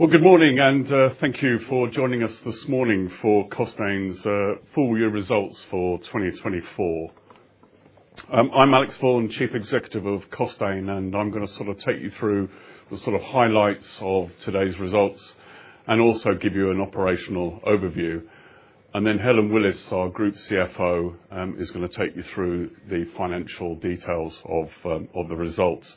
Good morning, and thank you for joining us this morning for Costain's full year results for 2024. I'm Alex Vaughan, Chief Executive of Costain, and I'm gonna sort of take you through the sort of highlights of today's results and also give you an operational overview. Helen Willis, our Group CFO, is gonna take you through the financial details of the results.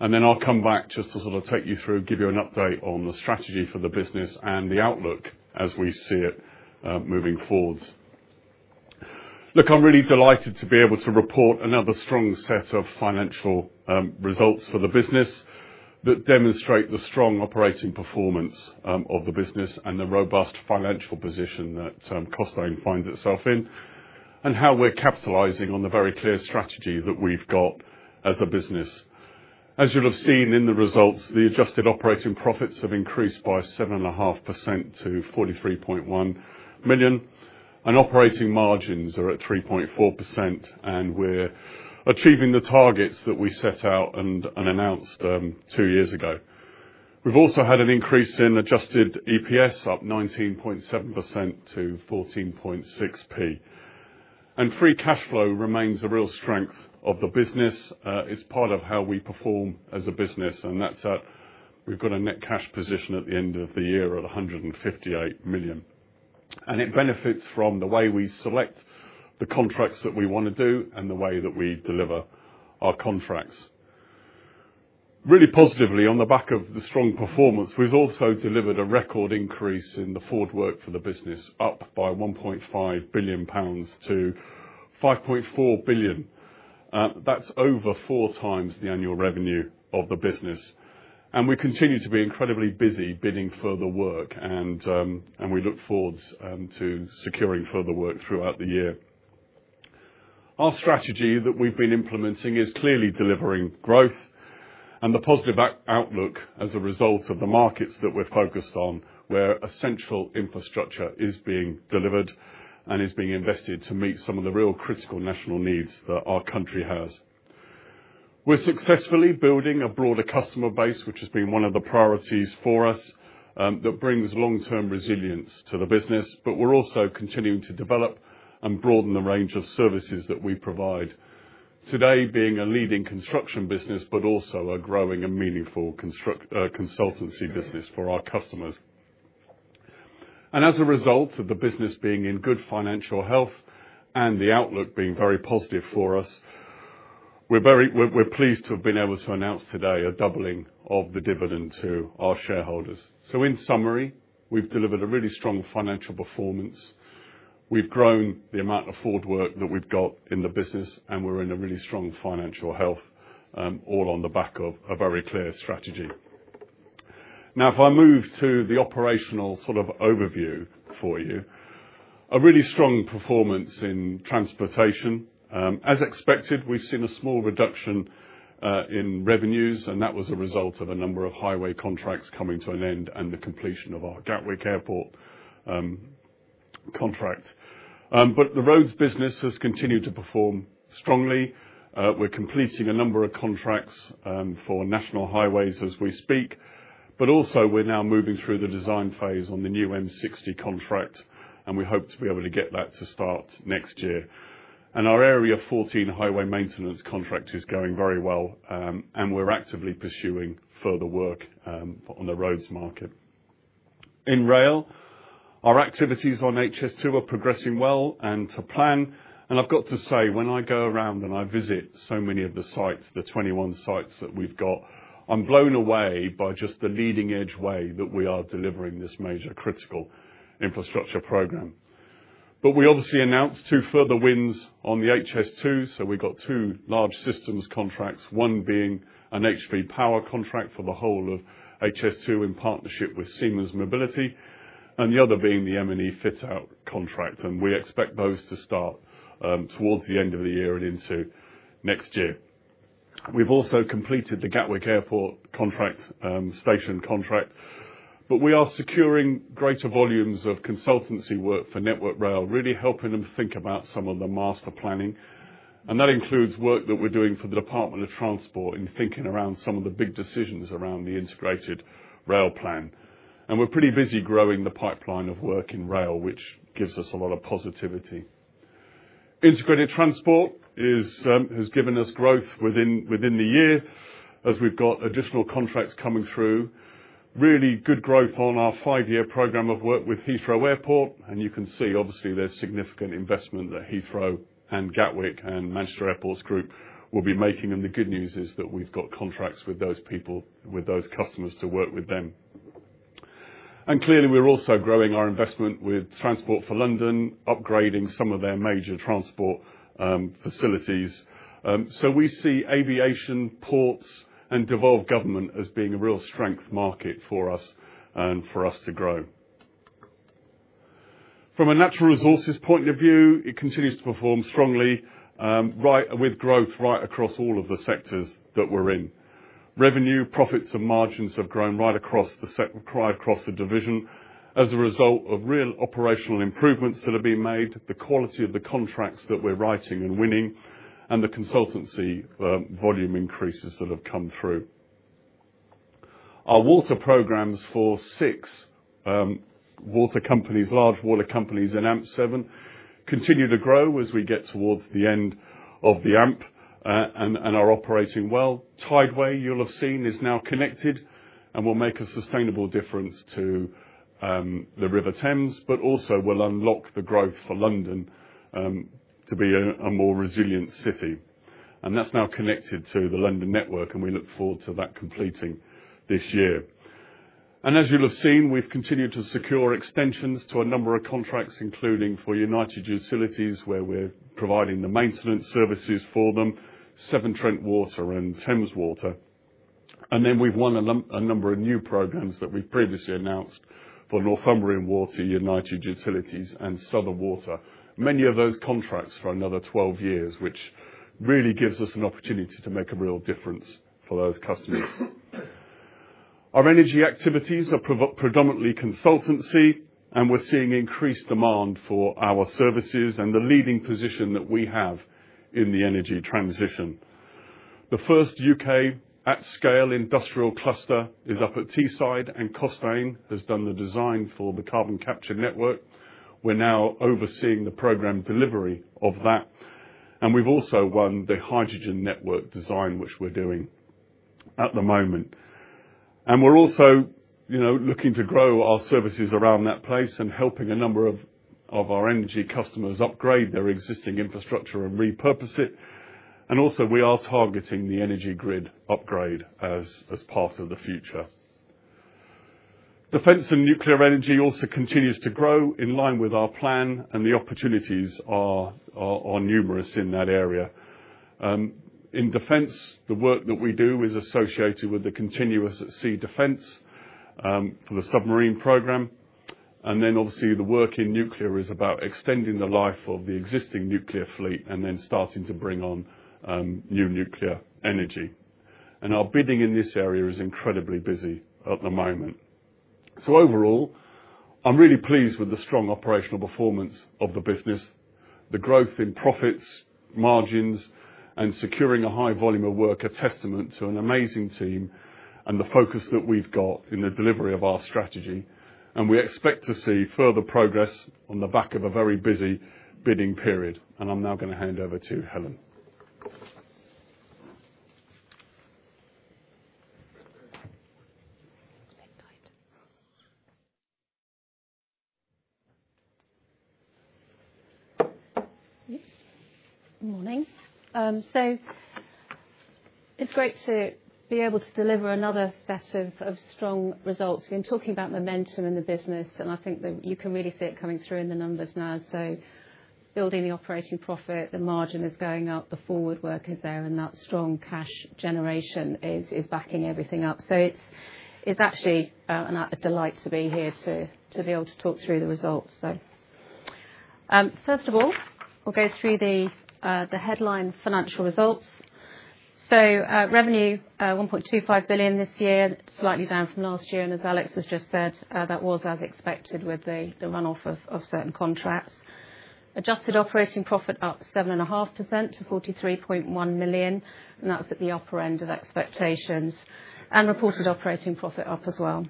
I'll come back just to sort of take you through, give you an update on the strategy for the business and the outlook as we see it, moving forwards. Look, I'm really delighted to be able to report another strong set of financial results for the business that demonstrate the strong operating performance of the business and the robust financial position that Costain finds itself in, and how we're capitalizing on the very clear strategy that we've got as a business. As you'll have seen in the results, the adjusted operating profits have increased by 7.5% to 43.1 million, and operating margins are at 3.4%, and we're achieving the targets that we set out and announced two years ago. We've also had an increase in adjusted EPS, up 19.7% to 14.6 pence. Free cash flow remains a real strength of the business. It's part of how we perform as a business, and that's, we've got a net cash position at the end of the year at 158 million. It benefits from the way we select the contracts that we want to do and the way that we deliver our contracts. Really positively, on the back of the strong performance, we've also delivered a record increase in the forward work for the business, up by 1.5 billion pounds to 5.4 billion. That's over four times the annual revenue of the business. We continue to be incredibly busy bidding further work, and we look forwards to securing further work throughout the year. Our strategy that we've been implementing is clearly delivering growth, and the positive outlook as a result of the markets that we're focused on, where essential infrastructure is being delivered and is being invested to meet some of the real critical national needs that our country has. We're successfully building a broader customer base, which has been one of the priorities for us, that brings long-term resilience to the business, but we're also continuing to develop and broaden the range of services that we provide, today being a leading construction business but also a growing and meaningful consultancy business for our customers. As a result of the business being in good financial health and the outlook being very positive for us, we're very pleased to have been able to announce today a doubling of the dividend to our shareholders. In summary, we've delivered a really strong financial performance. We've grown the amount of forward work that we've got in the business, and we're in a really strong financial health, all on the back of a very clear strategy. Now, if I move to the operational sort of overview for you, a really strong performance in transportation. As expected, we've seen a small reduction in revenues, and that was a result of a number of highway contracts coming to an end and the completion of our Gatwick Airport contract. The roads business has continued to perform strongly. We're completing a number of contracts for National Highways as we speak, but also we're now moving through the design phase on the new M60 contract, and we hope to be able to get that to start next year. Our Area 14 highway maintenance contract is going very well, and we're actively pursuing further work on the roads market. In rail, our activities on HS2 are progressing well and to plan. I've got to say, when I go around and I visit so many of the sites, the 21 sites that we've got, I'm blown away by just the leading-edge way that we are delivering this major critical infrastructure program. We obviously announced two further wins on the HS2, so we got two large systems contracts, one being an HV power contract for the whole of HS2 in partnership with Siemens Mobility, and the other being the M&E Fit Out contract, and we expect those to start towards the end of the year and into next year. We've also completed the Gatwick Airport contract, station contract, but we are securing greater volumes of consultancy work for Network Rail, really helping them think about some of the master planning, and that includes work that we're doing for the Department of Transport in thinking around some of the big decisions around the integrated rail plan. We're pretty busy growing the pipeline of work in rail, which gives us a lot of positivity. Integrated Transport has given us growth within the year as we've got additional contracts coming through. Really good growth on our five-year program of work with Heathrow Airport, and you can see, obviously, there is significant investment that Heathrow and Gatwick and Manchester Airports Group will be making, and the good news is that we have got contracts with those people, with those customers to work with them. Clearly, we are also growing our investment with Transport for London, upgrading some of their major transport facilities. We see aviation, ports, and devolved government as being a real strength market for us and for us to grow. From a natural resources point of view, it continues to perform strongly, with growth right across all of the sectors that we are in. Revenue, profits, and margins have grown right across the sec, right across the division as a result of real operational improvements that have been made, the quality of the contracts that we're writing and winning, and the consultancy, volume increases that have come through. Our water programs for six water companies, large water companies in AMP7, continue to grow as we get towards the end of the AMP, and are operating well. Tideway, you'll have seen, is now connected and will make a sustainable difference to the River Thames, but also will unlock the growth for London, to be a more resilient city. That's now connected to the London network, and we look forward to that completing this year. As you'll have seen, we've continued to secure extensions to a number of contracts, including for United Utilities, where we're providing the maintenance services for them, Severn Trent Water, and Thames Water. We've won a number of new programs that we've previously announced for Northumbrian Water, United Utilities, and Southern Water, many of those contracts for another 12 years, which really gives us an opportunity to make a real difference for those customers. Our energy activities are predominantly consultancy, and we're seeing increased demand for our services and the leading position that we have in the energy transition. The first U.K. at-scale industrial cluster is up at Teesside, and Costain has done the design for the carbon capture network. We're now overseeing the program delivery of that, and we've also won the hydrogen network design, which we're doing at the moment. We're also, you know, looking to grow our services around that place and helping a number of our energy customers upgrade their existing infrastructure and repurpose it. We are targeting the energy grid upgrade as part of the future. Defense and nuclear energy also continues to grow in line with our plan, and the opportunities are numerous in that area. In defense, the work that we do is associated with the continuous sea defense for the submarine program. Obviously, the work in nuclear is about extending the life of the existing nuclear fleet and then starting to bring on new nuclear energy. Our bidding in this area is incredibly busy at the moment. Overall, I'm really pleased with the strong operational performance of the business. The growth in profits, margins, and securing a high volume of work are a testament to an amazing team and the focus that we've got in the delivery of our strategy. We expect to see further progress on the back of a very busy bidding period. I'm now gonna hand over to Helen. Yes. Good morning. It's great to be able to deliver another set of strong results. We've been talking about momentum in the business, and I think that you can really see it coming through in the numbers now. Building the operating profit, the margin is going up, the forward work is there, and that strong cash generation is backing everything up. It's actually a delight to be here to be able to talk through the results. First of all, we'll go through the headline financial results. Revenue, 1.25 billion this year, slightly down from last year. As Alex has just said, that was as expected with the run-off of certain contracts. Adjusted operating profit up 7.5% to 43.1 million, and that's at the upper end of expectations. Reported operating profit up as well.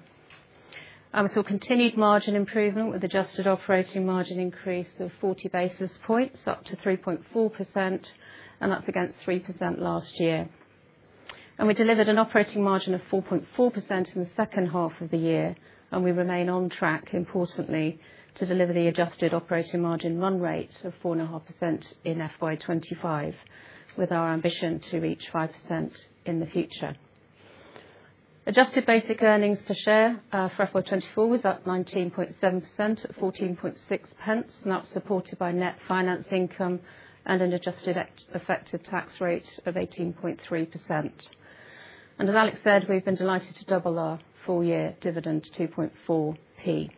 Continued margin improvement with adjusted operating margin increase of 40 basis points up to 3.4%, and that's against 3% last year. We delivered an operating margin of 4.4% in the second half of the year, and we remain on track, importantly, to deliver the adjusted operating margin run rate of 4.5% in FY2025, with our ambition to reach 5% in the future. Adjusted basic earnings per share for FY2024 was up 19.7% at 14.6 pence, and that's supported by net finance income and an adjusted effective tax rate of 18.3%. As Alex said, we've been delighted to double our full-year dividend to 2.4 pence.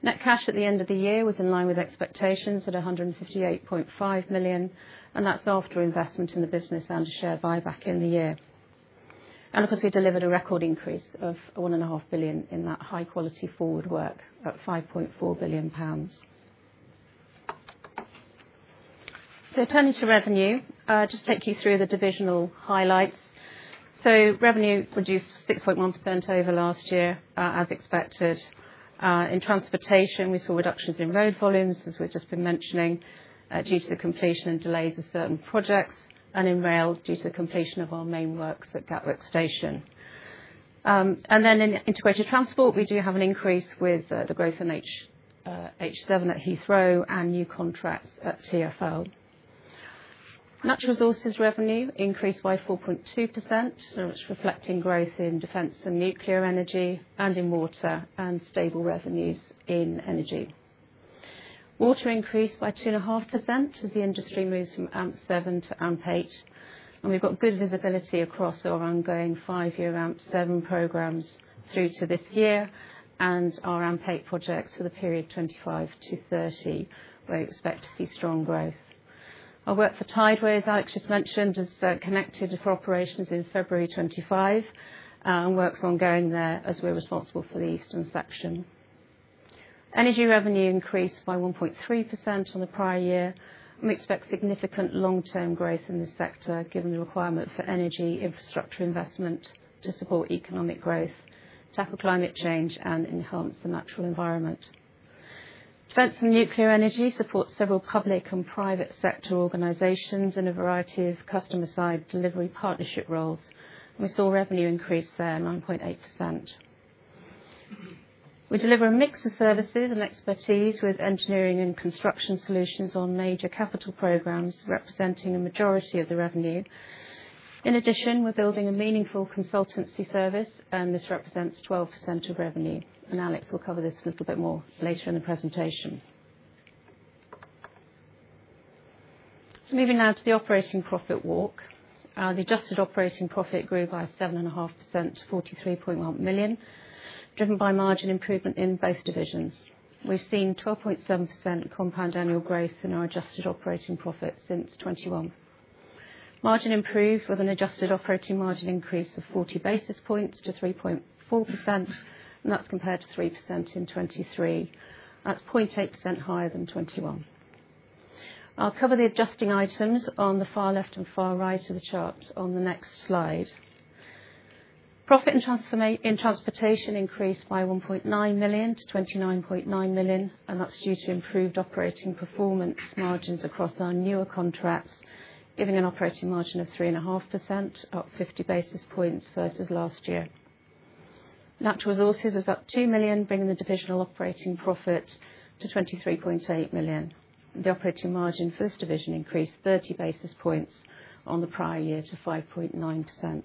Net cash at the end of the year was in line with expectations at 158.5 million, and that's after investment in the business and a share buyback in the year. Of course, we delivered a record increase of 1.5 billion in that high-quality forward work at 5.4 billion pounds. Turning to revenue, just take you through the divisional highlights. Revenue reduced 6.1% over last year, as expected. In transportation, we saw reductions in road volumes, as we've just been mentioning, due to the completion and delays of certain projects, and in rail, due to the completion of our main works at Gatwick Station. In integrated transport, we do have an increase with the growth in H7 at Heathrow and new contracts at Transport for London. Natural resources revenue increased by 4.2%, so it's reflecting growth in defense and nuclear energy and in water and stable revenues in energy. Water increased by 2.5% as the industry moves from AMP7 to AMP8, and we've got good visibility across our ongoing five-year AMP7 programs through to this year and our AMP8 projects for the period 2025 to 2030, where we expect to see strong growth. Our work for Tideway, as Alex just mentioned, is connected for operations in February 2025, and work is ongoing there as we're responsible for the eastern section. Energy revenue increased by 1.3% on the prior year. We expect significant long-term growth in this sector given the requirement for energy infrastructure investment to support economic growth, tackle climate change, and enhance the natural environment. Defense and nuclear energy supports several public and private sector organizations in a variety of customer-side delivery partnership roles, and we saw revenue increase there at 9.8%. We deliver a mix of services and expertise with engineering and construction solutions on major capital programs, representing a majority of the revenue. In addition, we're building a meaningful consultancy service, and this represents 12% of revenue. Alex will cover this a little bit more later in the presentation. Moving now to the operating profit walk. The adjusted operating profit grew by 7.5% to 43.1 million, driven by margin improvement in both divisions. We've seen 12.7% compound annual growth in our adjusted operating profit since 2021. Margin improved with an adjusted operating margin increase of 40 basis points to 3.4%, and that's compared to 3% in 2023. That's 0.8% higher than 2021. I'll cover the adjusting items on the far left and far right of the chart on the next slide. Profit and transform in transportation increased by 1.9 million to 29.9 million, and that's due to improved operating performance margins across our newer contracts, giving an operating margin of 3.5%, up 50 basis points versus last year. Natural resources is up 2 million, bringing the divisional operating profit to 23.8 million. The operating margin first division increased 30 basis points on the prior year to 5.9%.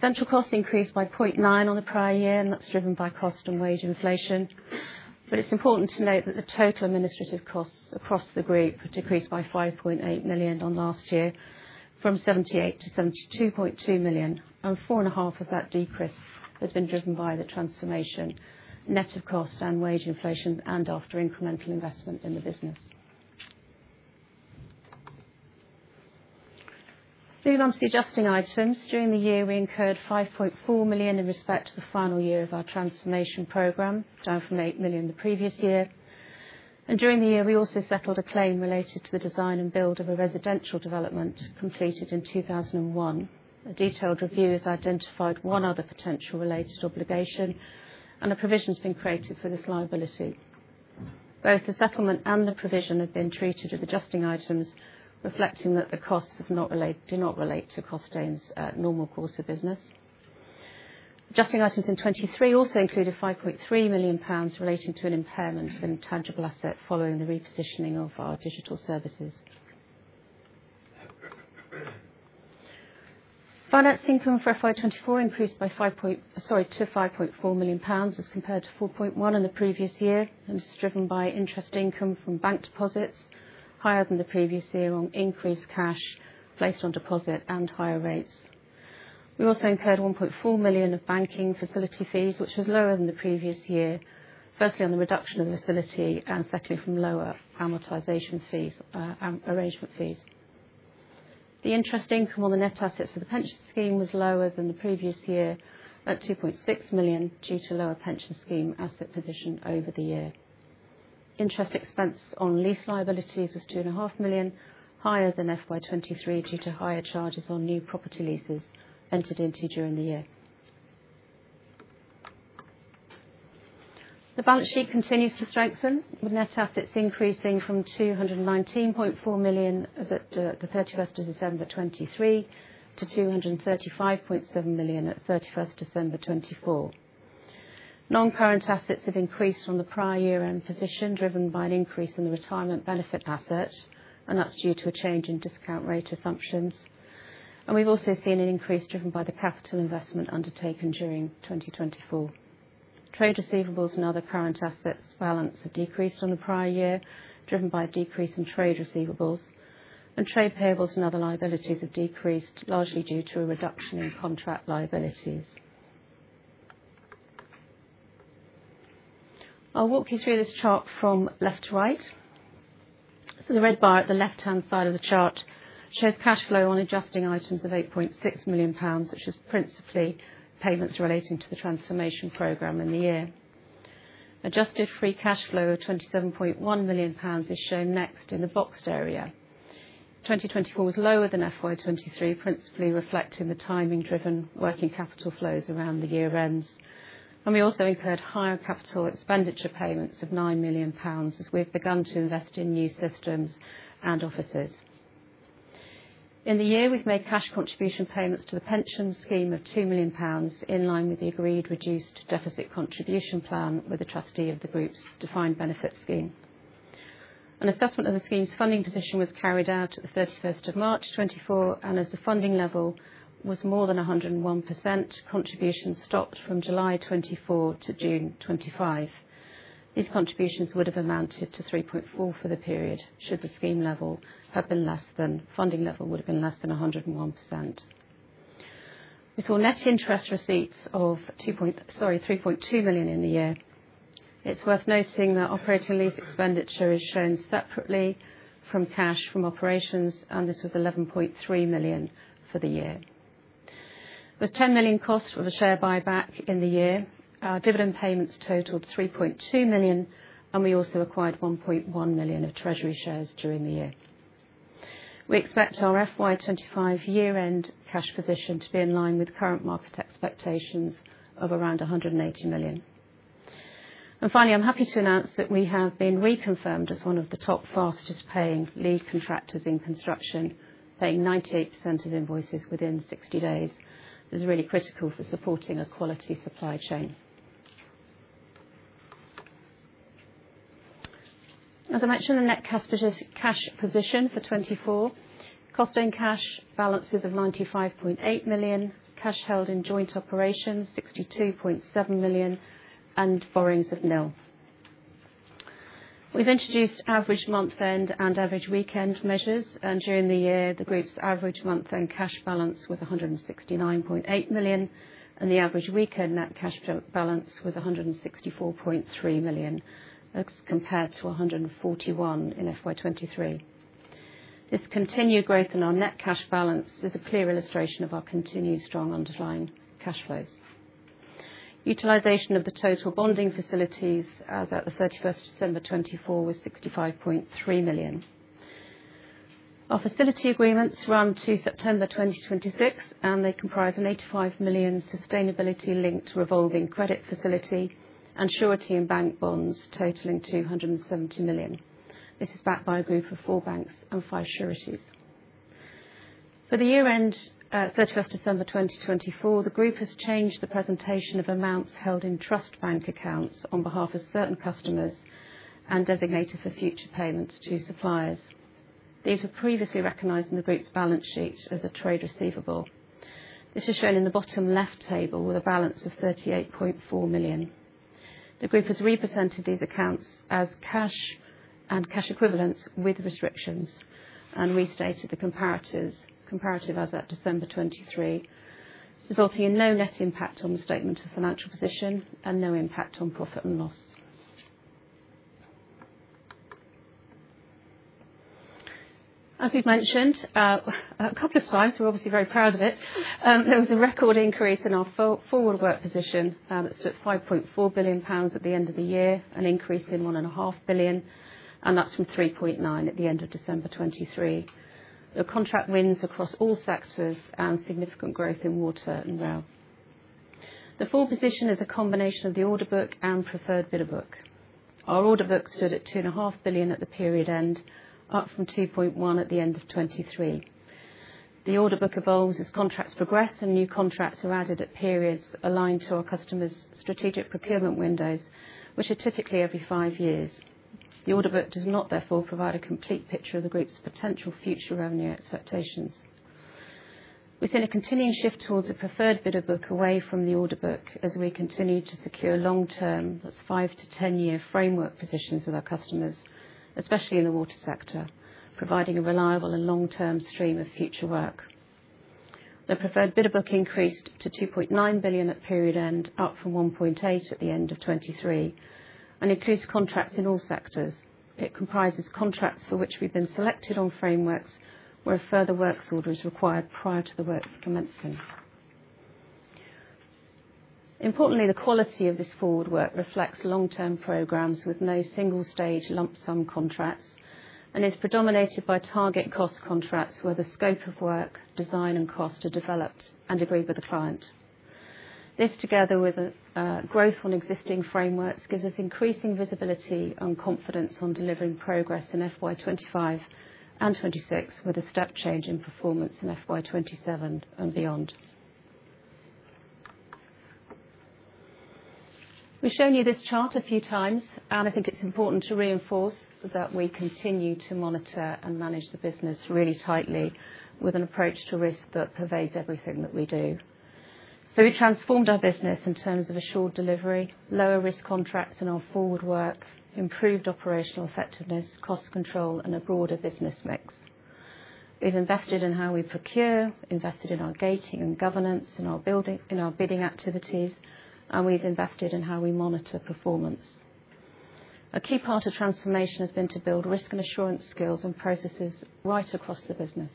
Central costs increased by 0.9 million on the prior year, and that's driven by cost and wage inflation. It is important to note that the total administrative costs across the group decreased by 5.8 million on last year, from 78 million to 72.2 million, and 4.5 million of that decrease has been driven by the transformation, net of cost and wage inflation, and after incremental investment in the business. Moving on to the adjusting items. During the year, we incurred 5.4 million in respect to the final year of our transformation program, down from 8 million the previous year. During the year, we also settled a claim related to the design and build of a residential development completed in 2001. A detailed review has identified one other potential related obligation, and a provision's been created for this liability. Both the settlement and the provision have been treated as adjusting items, reflecting that the costs do not relate to Costain's normal course of business. Adjusting items in 2023 also included 5.3 million pounds relating to an impairment in tangible asset following the repositioning of our digital services. Finance income for FY24 increased by 5.4, sorry, to 5.4 million pounds as compared to 4.1 million in the previous year, and it's driven by interest income from bank deposits, higher than the previous year on increased cash placed on deposit and higher rates. We also incurred 1.4 million of banking facility fees, which was lower than the previous year, firstly on the reduction of the facility and secondly from lower amortization fees, arrangement fees. The interest income on the net assets of the pension scheme was lower than the previous year at 2.6 million due to lower pension scheme asset position over the year. Interest expense on lease liabilities was 2.5 million, higher than FY23 due to higher charges on new property leases entered into during the year. The balance sheet continues to strengthen, with net assets increasing from 219.4 million as of the 31 December 2023 to 235.7 million at 31 December 2024. Non-current assets have increased from the prior year-end position, driven by an increase in the retirement benefit asset, and that's due to a change in discount rate assumptions. We have also seen an increase driven by the capital investment undertaken during 2024. Trade receivables and other current assets' balance have decreased on the prior year, driven by a decrease in trade receivables. Trade payables and other liabilities have decreased, largely due to a reduction in contract liabilities. I'll walk you through this chart from left to right. The red bar at the left-hand side of the chart shows cash flow on adjusting items of 8.6 million pounds, which is principally payments relating to the transformation program in the year. Adjusted free cash flow of 27.1 million pounds is shown next in the boxed area. 2024 was lower than FY23, principally reflecting the timing-driven working capital flows around the year-ends. We also incurred higher capital expenditure payments of 9 million pounds as we've begun to invest in new systems and offices. In the year, we've made cash contribution payments to the pension scheme of 2 million pounds, in line with the agreed reduced deficit contribution plan with the trustee of the group's defined benefit scheme. An assessment of the scheme's funding position was carried out at the 31 March 2024, and as the funding level was more than 101%, contributions stopped from July 2024 to June 2025. These contributions would have amounted to 3.4 million for the period should the scheme level have been less than funding level would have been less than 101%. We saw net interest receipts of, sorry, 3.2 million in the year. It is worth noting that operating lease expenditure is shown separately from cash from operations, and this was 11.3 million for the year. There was 10 million cost for the share buyback in the year. Our dividend payments totaled 3.2 million, and we also acquired 1.1 million of treasury shares during the year. We expect our FY25 year-end cash position to be in line with current market expectations of around 180 million. Finally, I am happy to announce that we have been reconfirmed as one of the top fastest-paying lead contractors in construction, paying 98% of invoices within 60 days, which is really critical for supporting a quality supply chain. As I mentioned, the net cash position for 2024, Costain cash balances of 95.8 million, cash held in joint operations 62.7 million, and borrowings of nil. We've introduced average month-end and average week-end measures, and during the year, the group's average month-end cash balance was 169.8 million, and the average week-end net cash balance was 164.3 million, as compared to 141 million in FY2023. This continued growth in our net cash balance is a clear illustration of our continued strong underlying cash flows. Utilization of the total bonding facilities, as at the 31 December 2024, was 65.3 million. Our facility agreements run to September 2026, and they comprise an 85 million sustainability-linked revolving credit facility and surety and bank bonds totaling 270 million. This is backed by a group of four banks and five sureties. For the year-end, 31 December 2024, the group has changed the presentation of amounts held in trust bank accounts on behalf of certain customers and designated for future payments to suppliers. These were previously recognized in the group's balance sheet as a trade receivable. This is shown in the bottom-left table with a balance of 38.4 million. The group has represented these accounts as cash and cash equivalents with restrictions and restated the comparative as at December 2023, resulting in no net impact on the statement of financial position and no impact on profit and loss. As we've mentioned a couple of times, we're obviously very proud of it. There was a record increase in our forward work position that stood at 5.4 billion pounds at the end of the year, an increase of 1.5 billion, and that's from 3.9 billion at the end of December 2023. The contract wins across all sectors and significant growth in water and rail. The full position is a combination of the order book and preferred bidder book. Our order book stood at 2.5 billion at the period end, up from 2.1 billion at the end of 2023. The order book evolves as contracts progress and new contracts are added at periods aligned to our customers' strategic procurement windows, which are typically every five years. The order book does not, therefore, provide a complete picture of the group's potential future revenue expectations. We've seen a continuing shift towards a preferred bidder book away from the order book as we continue to secure long-term, that's 5-10 year framework positions with our customers, especially in the water sector, providing a reliable and long-term stream of future work. The preferred bidder book increased to 2.9 billion at period end, up from 1.8 billion at the end of 2023, and includes contracts in all sectors. It comprises contracts for which we've been selected on frameworks where a further works order is required prior to the work's commencement. Importantly, the quality of this forward work reflects long-term programs with no single-stage lump-sum contracts and is predominated by target cost contracts where the scope of work, design, and cost are developed and agreed with the client. This, together with growth on existing frameworks, gives us increasing visibility and confidence on delivering progress in FY2025 and 2026, with a step change in performance in FY2027 and beyond. We've shown you this chart a few times, and I think it's important to reinforce that we continue to monitor and manage the business really tightly with an approach to risk that pervades everything that we do. We have transformed our business in terms of assured delivery, lower-risk contracts in our forward work, improved operational effectiveness, cost control, and a broader business mix. We have invested in how we procure, invested in our gating and governance in our bidding activities, and we have invested in how we monitor performance. A key part of transformation has been to build risk and assurance skills and processes right across the business.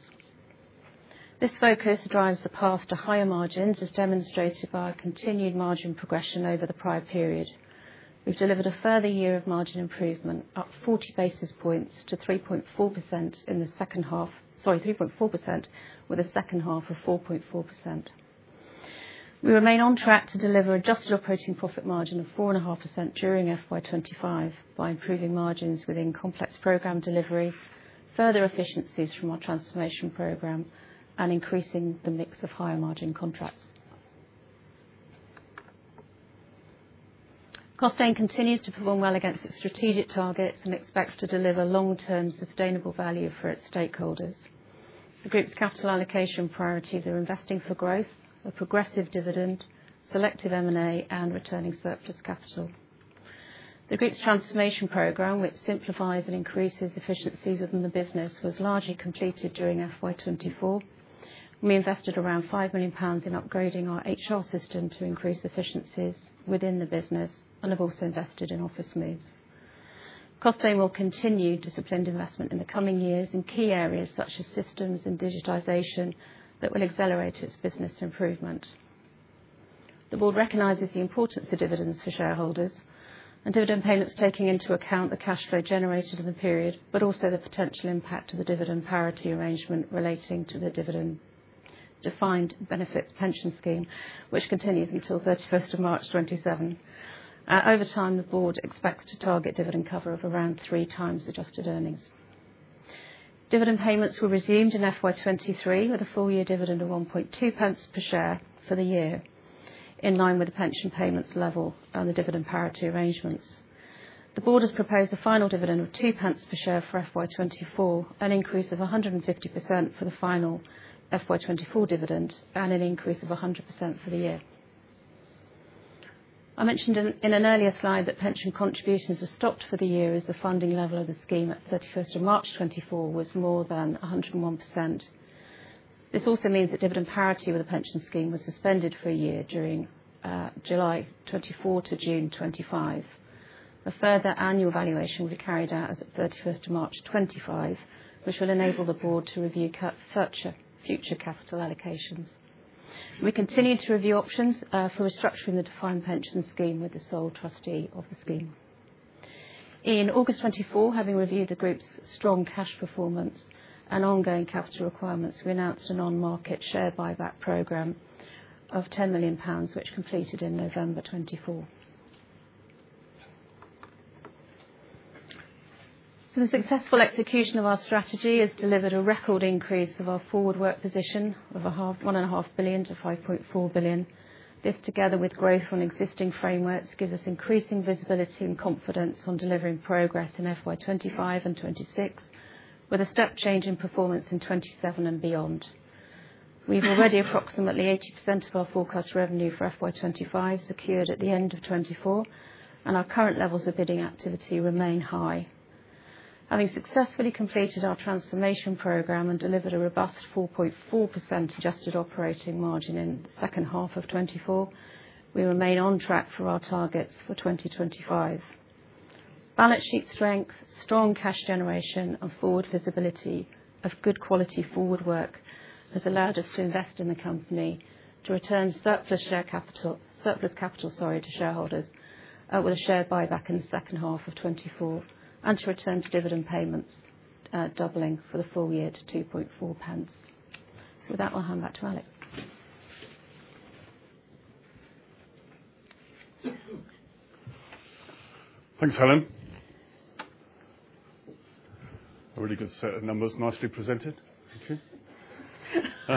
This focus drives the path to higher margins, as demonstrated by continued margin progression over the prior period. We have delivered a further year of margin improvement, up 40 basis points to 3.4% in the second half, sorry, 3.4%, with a second half of 4.4%. We remain on track to deliver adjusted operating profit margin of 4.5% during FY2025 by improving margins within complex program delivery, further efficiencies from our transformation program, and increasing the mix of higher margin contracts. Costain continues to perform well against its strategic targets and expects to deliver long-term sustainable value for its stakeholders. The group's capital allocation priorities are investing for growth, a progressive dividend, selective M&A, and returning surplus capital. The group's transformation program, which simplifies and increases efficiencies within the business, was largely completed during FY2024. We invested around 5 million pounds in upgrading our HR system to increase efficiencies within the business, and have also invested in office moves. Costain will continue to spend investment in the coming years in key areas such as systems and digitization that will accelerate its business improvement. The board recognizes the importance of dividends for shareholders and dividend payments taking into account the cash flow generated in the period, but also the potential impact of the dividend parity arrangement relating to the dividend-defined benefits pension scheme, which continues until 31 March 2027. Over time, the board expects to target dividend cover of around three times adjusted earnings. Dividend payments were resumed in FY2023 with a full-year dividend of 0.012 per share for the year, in line with the pension payments level and the dividend parity arrangements. The board has proposed a final dividend of 0.02 per share for FY2024, an increase of 150% for the final FY2024 dividend, and an increase of 100% for the year. I mentioned in an earlier slide that pension contributions were stopped for the year as the funding level of the scheme at 31 March 2024 was more than 101%. This also means that dividend parity with the pension scheme was suspended for a year during July 2024 to June 2025. A further annual valuation will be carried out as of 31 March 2025, which will enable the board to review future capital allocations. We continue to review options for restructuring the defined pension scheme with the sole trustee of the scheme. In August 2024, having reviewed the group's strong cash performance and ongoing capital requirements, we announced a non-market share buyback program of 10 million pounds, which completed in November 2024. The successful execution of our strategy has delivered a record increase of our forward work position of 1.5 billion to 5.4 billion. This, together with growth on existing frameworks, gives us increasing visibility and confidence on delivering progress in FY2025 and 2026, with a step change in performance in 2027 and beyond. We've already approximately 80% of our forecast revenue for FY2025 secured at the end of 2024, and our current levels of bidding activity remain high. Having successfully completed our transformation program and delivered a robust 4.4% adjusted operating margin in the second half of 2024, we remain on track for our targets for 2025. Balance sheet strength, strong cash generation, and forward visibility of good quality forward work has allowed us to invest in the company to return surplus share capital, surplus capital, sorry, to shareholders, with a share buyback in the second half of 2024, and to return to dividend payments, doubling for the full year to 0.024. With that, I'll hand back to Alex. Thanks, Helen. A really good set of numbers, nicely presented. Thank you.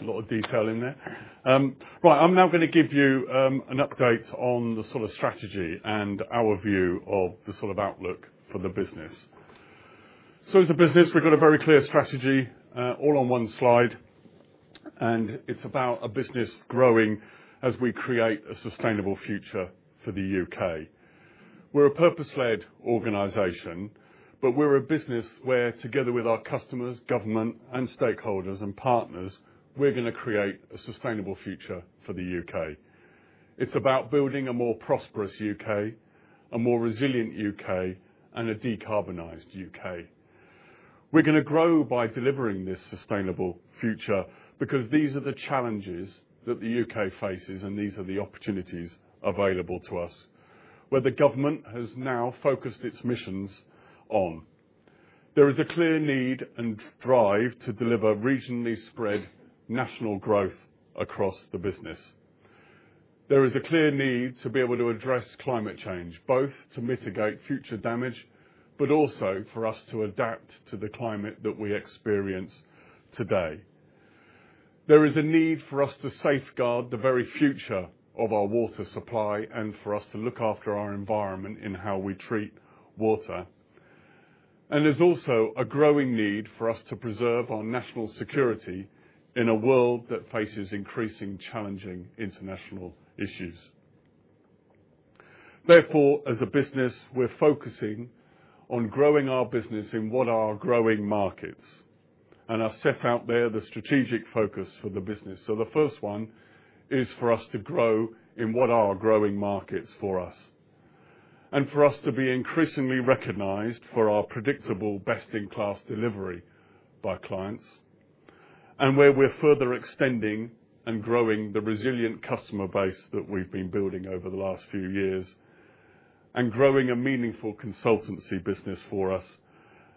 A lot of detail in there. Right, I'm now gonna give you an update on the sort of strategy and our view of the sort of outlook for the business. As a business, we've got a very clear strategy, all on one slide, and it's about a business growing as we create a sustainable future for the U.K. We're a purpose-led organization, but we're a business where, together with our customers, government, and stakeholders and partners, we're gonna create a sustainable future for the U.K. It's about building a more prosperous U.K., a more resilient U.K., and a decarbonized U.K. We're gonna grow by delivering this sustainable future because these are the challenges that the U.K. faces, and these are the opportunities available to us, where the government has now focused its missions on. There is a clear need and drive to deliver regionally spread national growth across the business. There is a clear need to be able to address climate change, both to mitigate future damage, but also for us to adapt to the climate that we experience today. There is a need for us to safeguard the very future of our water supply and for us to look after our environment in how we treat water. There is also a growing need for us to preserve our national security in a world that faces increasing challenging international issues. Therefore, as a business, we are focusing on growing our business in what are growing markets, and I have set out there the strategic focus for the business. The first one is for us to grow in what are growing markets for us, and for us to be increasingly recognized for our predictable best-in-class delivery by clients, and where we're further extending and growing the resilient customer base that we've been building over the last few years, and growing a meaningful consultancy business for us.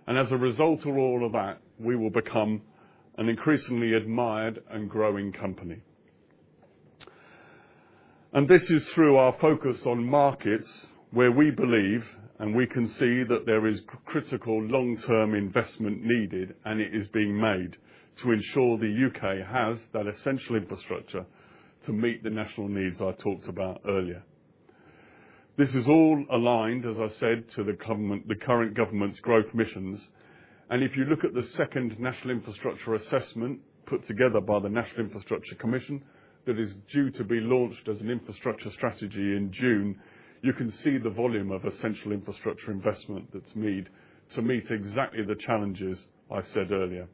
As a result of all of that, we will become an increasingly admired and growing company. This is through our focus on markets where we believe and we can see that there is critical long-term investment needed, and it is being made to ensure the U.K. has that essential infrastructure to meet the national needs I talked about earlier. This is all aligned, as I said, to the government, the current government's growth missions. If you look at the second national infrastructure assessment put together by the National Infrastructure Commission that is due to be launched as an infrastructure strategy in June, you can see the volume of essential infrastructure investment that is made to meet exactly the challenges I said earlier.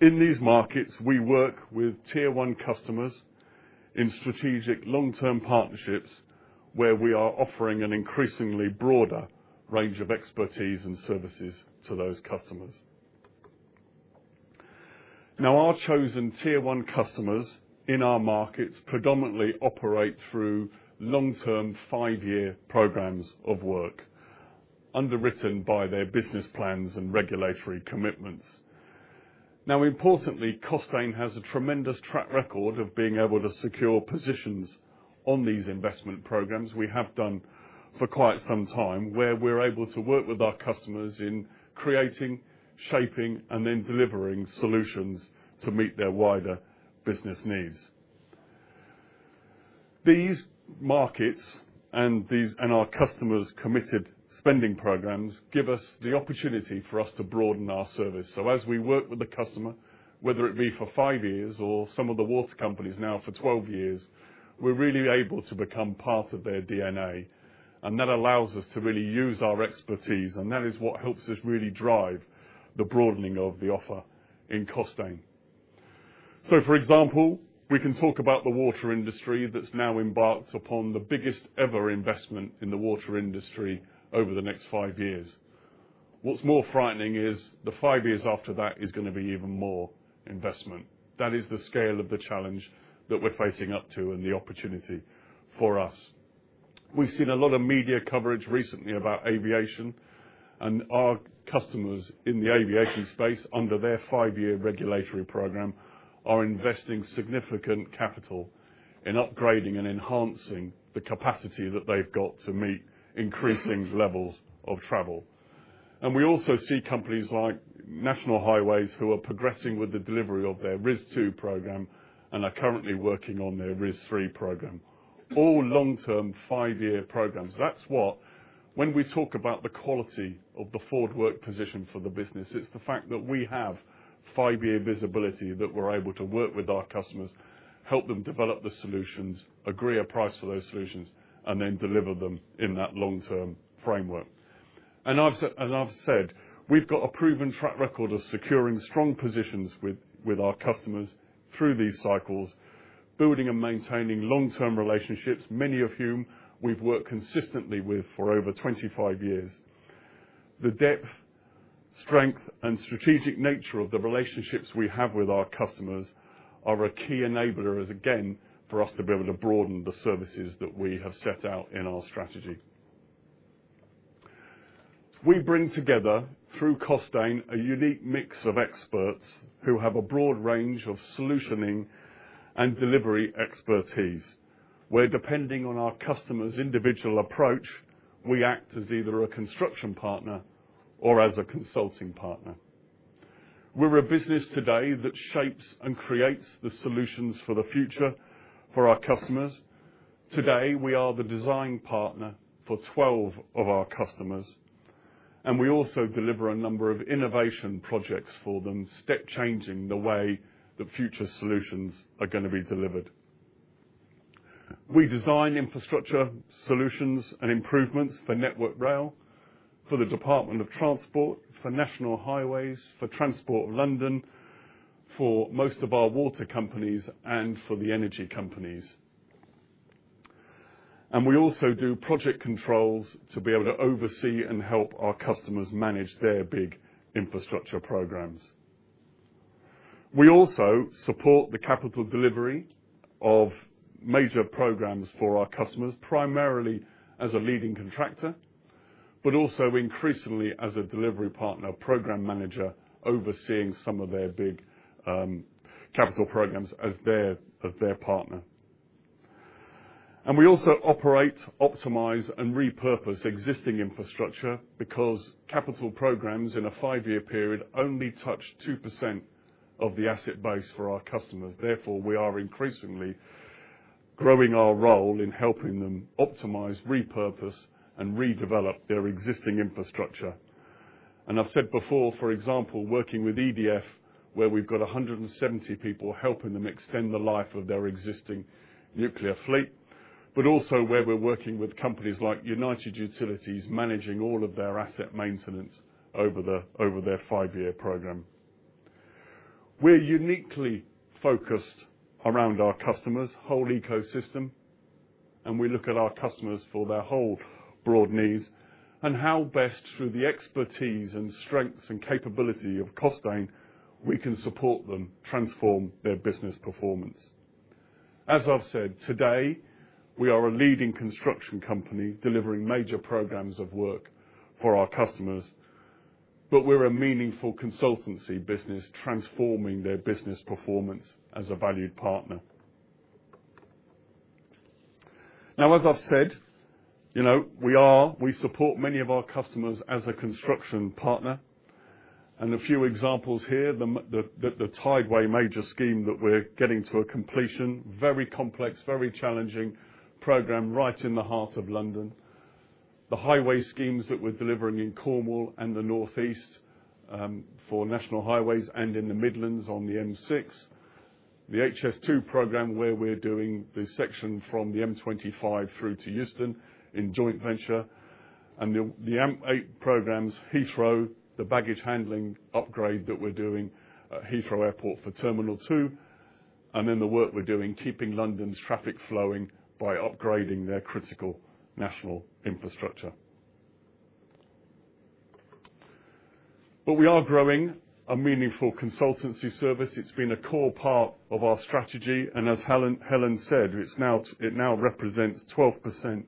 In these markets, we work with tier-one customers in strategic long-term partnerships where we are offering an increasingly broader range of expertise and services to those customers. Our chosen tier-one customers in our markets predominantly operate through long-term five-year programs of work underwritten by their business plans and regulatory commitments. Importantly, Costain has a tremendous track record of being able to secure positions on these investment programs we have done for quite some time, where we are able to work with our customers in creating, shaping, and then delivering solutions to meet their wider business needs. These markets and these and our customers' committed spending programs give us the opportunity for us to broaden our service. As we work with the customer, whether it be for five years or some of the water companies now for 12 years, we're really able to become part of their DNA, and that allows us to really use our expertise, and that is what helps us really drive the broadening of the offer in Costain. For example, we can talk about the water industry that's now embarked upon the biggest ever investment in the water industry over the next five years. What's more frightening is the five years after that is gonna be even more investment. That is the scale of the challenge that we're facing up to and the opportunity for us. We've seen a lot of media coverage recently about aviation, and our customers in the aviation space, under their five-year regulatory program, are investing significant capital in upgrading and enhancing the capacity that they've got to meet increasing levels of travel. We also see companies like National Highways who are progressing with the delivery of their RIS2 program and are currently working on their RIS3 program, all long-term five-year programs. That's what, when we talk about the quality of the forward work position for the business, it's the fact that we have five-year visibility that we're able to work with our customers, help them develop the solutions, agree a price for those solutions, and then deliver them in that long-term framework. I've said we've got a proven track record of securing strong positions with our customers through these cycles, building and maintaining long-term relationships, many of whom we've worked consistently with for over 25 years. The depth, strength, and strategic nature of the relationships we have with our customers are a key enabler, again, for us to be able to broaden the services that we have set out in our strategy. We bring together, through Costain, a unique mix of experts who have a broad range of solutioning and delivery expertise. Where, depending on our customer's individual approach, we act as either a construction partner or as a consulting partner. We're a business today that shapes and creates the solutions for the future for our customers. Today, we are the design partner for 12 of our customers, and we also deliver a number of innovation projects for them, step-changing the way that future solutions are gonna be delivered. We design infrastructure solutions and improvements for Network Rail, for the Department of Transport, for National Highways, for Transport for London, for most of our water companies, and for the energy companies. We also do project controls to be able to oversee and help our customers manage their big infrastructure programs. We also support the capital delivery of major programs for our customers, primarily as a leading contractor, but also increasingly as a delivery partner, program manager, overseeing some of their big, capital programs as their partner. We also operate, optimize, and repurpose existing infrastructure because capital programs in a five-year period only touch 2% of the asset base for our customers. Therefore, we are increasingly growing our role in helping them optimize, repurpose, and redevelop their existing infrastructure. I have said before, for example, working with EDF, where we have 170 people helping them extend the life of their existing nuclear fleet, but also where we are working with companies like United Utilities managing all of their asset maintenance over their five-year program. We are uniquely focused around our customers' whole ecosystem, and we look at our customers for their whole broad needs and how best, through the expertise and strengths and capability of Costain, we can support them, transform their business performance. As I have said, today, we are a leading construction company delivering major programs of work for our customers, but we are a meaningful consultancy business transforming their business performance as a valued partner. Now, as I've said, you know, we support many of our customers as a construction partner, and a few examples here, the Tideway major scheme that we're getting to a completion, very complex, very challenging program right in the heart of London, the highway schemes that we're delivering in Cornwall and the Northeast, for National Highways and in the Midlands on the M6, the HS2 program where we're doing the section from the M25 through to Euston in joint venture, and the AMP8 programs, Heathrow, the baggage handling upgrade that we're doing at Heathrow Airport for Terminal 2, and then the work we're doing keeping London's traffic flowing by upgrading their critical national infrastructure. We are growing a meaningful consultancy service. It's been a core part of our strategy, and as Helen said, it now represents 12%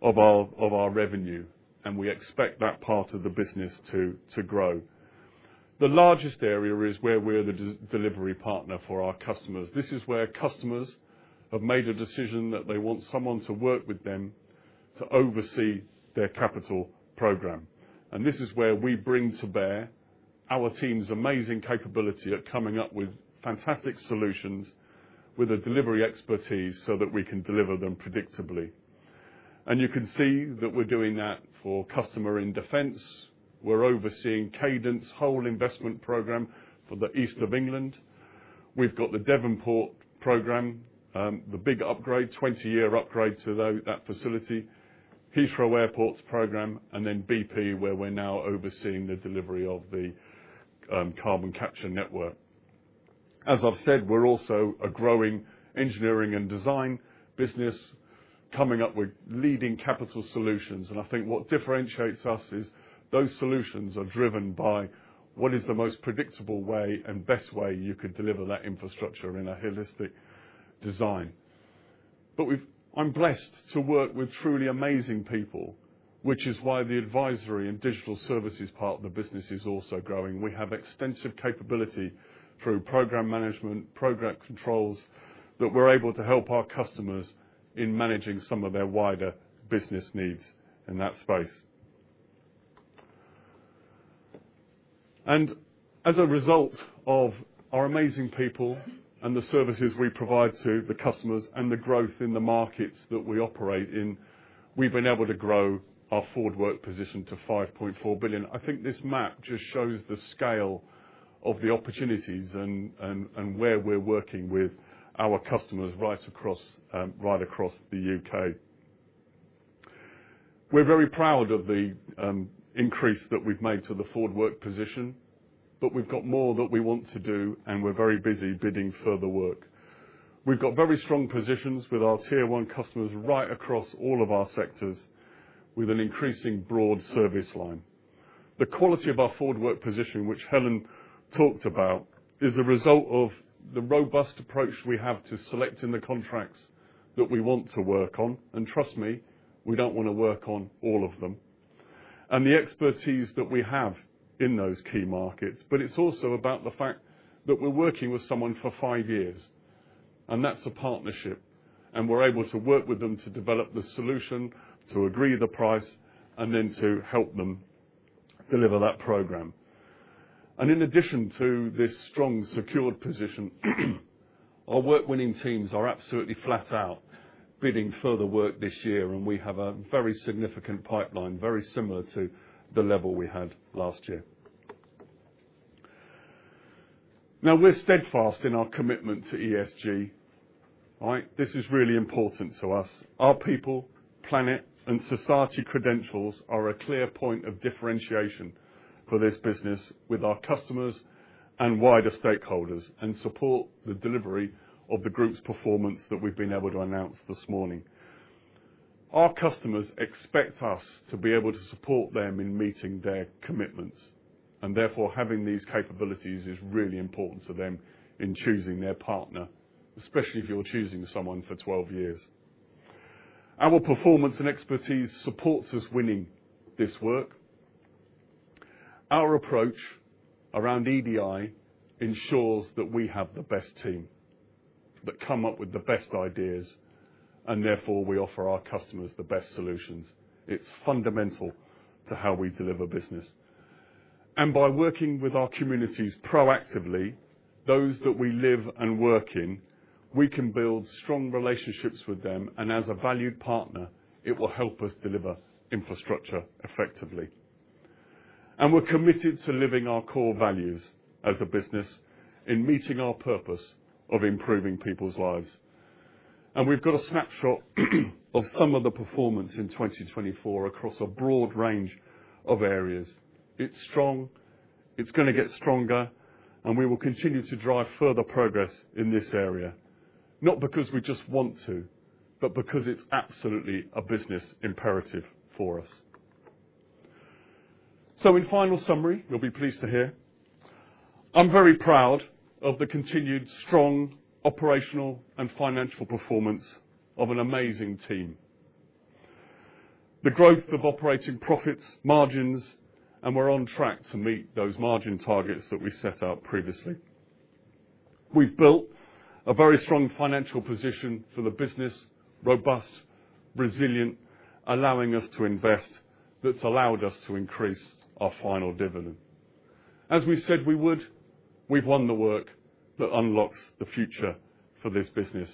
of our revenue, and we expect that part of the business to grow. The largest area is where we're the delivery partner for our customers. This is where customers have made a decision that they want someone to work with them to oversee their capital program, and this is where we bring to bear our team's amazing capability at coming up with fantastic solutions with a delivery expertise so that we can deliver them predictably. You can see that we're doing that for customer in defense. We're overseeing Cadent's whole investment program for the East of England. We've got the Devonport program, the big upgrade, 20-year upgrade to that facility, Heathrow Airport's program, and BP, where we're now overseeing the delivery of the carbon capture network. As I've said, we're also a growing engineering and design business coming up with leading capital solutions, and I think what differentiates us is those solutions are driven by what is the most predictable way and best way you could deliver that infrastructure in a holistic design. I'm blessed to work with truly amazing people, which is why the advisory and digital services part of the business is also growing. We have extensive capability through program management, program controls, that we're able to help our customers in managing some of their wider business needs in that space. As a result of our amazing people and the services we provide to the customers and the growth in the markets that we operate in, we've been able to grow our forward work position to 5.4 billion. I think this map just shows the scale of the opportunities and where we're working with our customers right across, right across the U.K. We're very proud of the increase that we've made to the forward work position, but we've got more that we want to do, and we're very busy bidding further work. We've got very strong positions with our tier-one customers right across all of our sectors with an increasing broad service line. The quality of our forward work position, which Helen talked about, is a result of the robust approach we have to selecting the contracts that we want to work on, and trust me, we don't want to work on all of them, and the expertise that we have in those key markets. It is also about the fact that we are working with someone for five years, and that is a partnership, and we are able to work with them to develop the solution, to agree the price, and then to help them deliver that program. In addition to this strong secured position, our work-winning teams are absolutely flat out bidding further work this year, and we have a very significant pipeline, very similar to the level we had last year. We are steadfast in our commitment to ESG, all right? This is really important to us. Our people, planet, and society credentials are a clear point of differentiation for this business with our customers and wider stakeholders and support the delivery of the group's performance that we have been able to announce this morning. Our customers expect us to be able to support them in meeting their commitments, and therefore, having these capabilities is really important to them in choosing their partner, especially if you're choosing someone for 12 years. Our performance and expertise supports us winning this work. Our approach around EDI ensures that we have the best team, that come up with the best ideas, and therefore, we offer our customers the best solutions. It is fundamental to how we deliver business. By working with our communities proactively, those that we live and work in, we can build strong relationships with them, and as a valued partner, it will help us deliver infrastructure effectively. We are committed to living our core values as a business in meeting our purpose of improving people's lives. We have got a snapshot of some of the performance in 2024 across a broad range of areas. It's strong. It's gonna get stronger, and we will continue to drive further progress in this area, not because we just want to, but because it's absolutely a business imperative for us. In final summary, you'll be pleased to hear, I'm very proud of the continued strong operational and financial performance of an amazing team, the growth of operating profits, margins, and we're on track to meet those margin targets that we set out previously. We've built a very strong financial position for the business, robust, resilient, allowing us to invest, that's allowed us to increase our final dividend. As we said we would, we've won the work that unlocks the future for this business,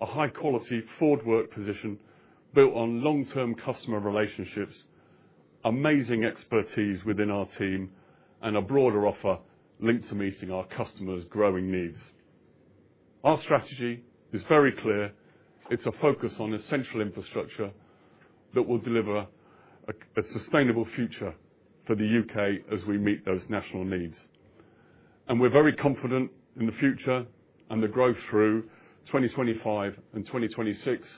a high-quality forward work position built on long-term customer relationships, amazing expertise within our team, and a broader offer linked to meeting our customers' growing needs. Our strategy is very clear. is a focus on essential infrastructure that will deliver a sustainable future for the U.K. as we meet those national needs. We are very confident in the future and the growth through 2025 and 2026,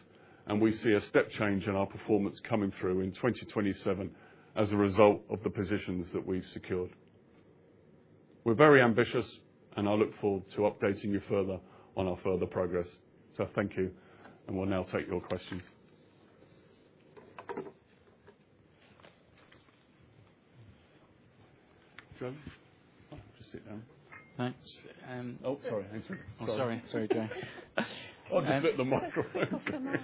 and we see a step change in our performance coming through in 2027 as a result of the positions that we have secured. We are very ambitious, and I look forward to updating you further on our further progress. Thank you, and we will now take your questions. John, just sit down. Thanks. And. Oh, sorry. Thanks. Sorry. Sorry, John. I'll just fit the microphone.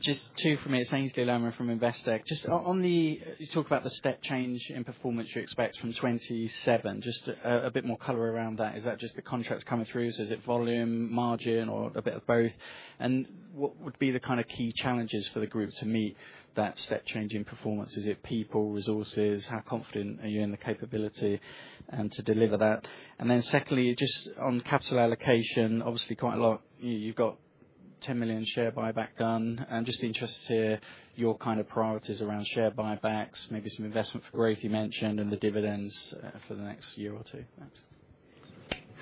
Just two from me. It's Ainsley Lamirande from Investec. Just on the you talk about the step change in performance you expect from 2027, just a bit more color around that. Is that just the contracts coming through? Is it volume, margin, or a bit of both? What would be the kind of key challenges for the group to meet that step change in performance? Is it people, resources? How confident are you in the capability to deliver that? Secondly, just on capital allocation, obviously quite a lot. You've got 10 million share buyback done. I'm just interested to hear your kind of priorities around share buybacks, maybe some investment for growth you mentioned, and the dividends for the next year or two. Thanks.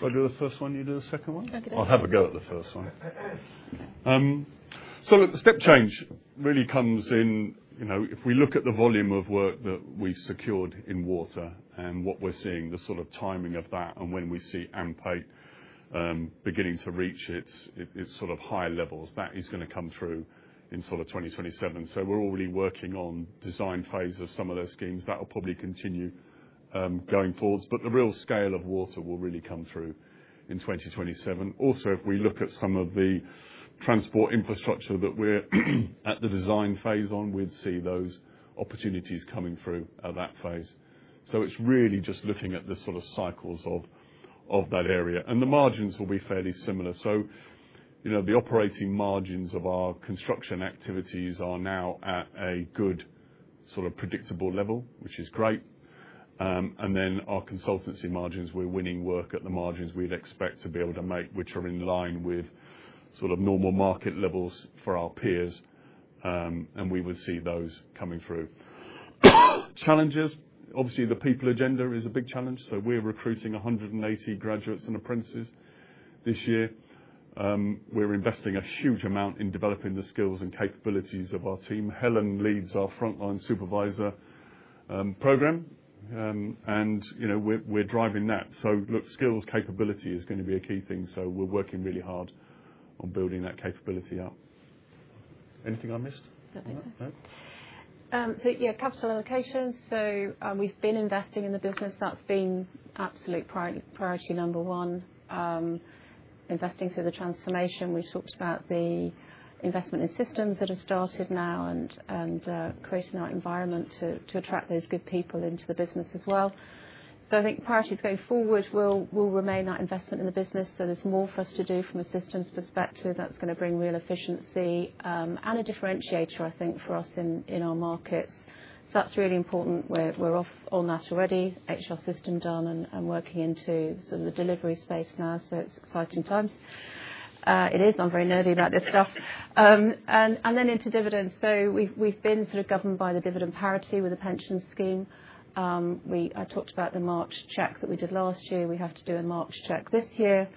I'll do the first one. You do the second one? Okay. I'll have a go at the first one. Look, the step change really comes in, you know, if we look at the volume of work that we've secured in water and what we're seeing, the sort of timing of that and when we see AMP8 beginning to reach its sort of high levels, that is gonna come through in 2027. We're already working on the design phase of some of those schemes. That'll probably continue going forwards, but the real scale of water will really come through in 2027. Also, if we look at some of the transport infrastructure that we're at the design phase on, we'd see those opportunities coming through at that phase. It's really just looking at the sort of cycles of that area, and the margins will be fairly similar. You know, the operating margins of our construction activities are now at a good sort of predictable level, which is great. Then our consultancy margins, we're winning work at the margins we'd expect to be able to make, which are in line with sort of normal market levels for our peers. We would see those coming through. Challenges. Obviously, the people agenda is a big challenge. We're recruiting 180 graduates and apprentices this year. We're investing a huge amount in developing the skills and capabilities of our team. Helen leads our frontline supervisor program, and, you know, we're driving that. Look, skills capability is gonna be a key thing. We're working really hard on building that capability up. Anything I missed? No, thanks. No? Yeah, capital allocation. We've been investing in the business. That's been absolute priority number one, investing through the transformation. We've talked about the investment in systems that have started now and creating our environment to attract those good people into the business as well. I think priorities going forward will remain our investment in the business. There's more for us to do from a systems perspective that's gonna bring real efficiency, and a differentiator, I think, for us in our markets. That's really important. We're off on that already. HR system done and working into sort of the delivery space now. It's exciting times. It is. I'm very nerdy about this stuff. Then into dividends. We've been sort of governed by the dividend parity with the pension scheme. I talked about the March check that we did last year. We have to do a March check this year.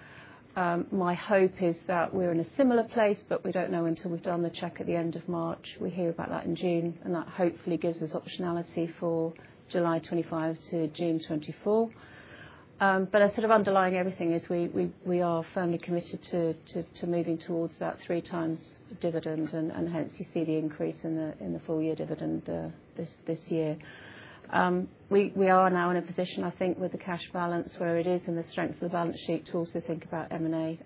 My hope is that we're in a similar place, but we don't know until we've done the check at the end of March. We hear about that in June, and that hopefully gives us optionality for July 2025 to June 2024. I sort of underlying everything is we are firmly committed to moving towards that three times dividend, and hence you see the increase in the full-year dividend this year. We are now in a position, I think, with the cash balance where it is and the strength of the balance sheet to also think about M&A.